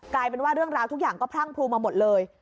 กลายเป็นว่าเรื่องราวทุกอย่างก็พรั่งพลูมาหมดเลย